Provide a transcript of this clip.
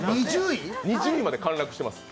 ２０位まで陥落しています。